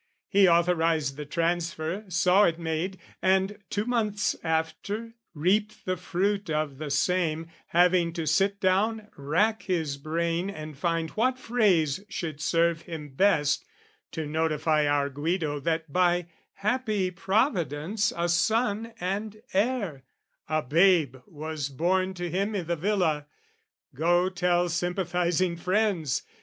He authorised the transfer, saw it made, And, two months after, reaped the fruit of the same, Having to sit down, rack his brain and find What phrase should serve him best to notify Our Guido that by happy providence A son and heir, a babe was born to him I' the villa, go tell sympathising friends!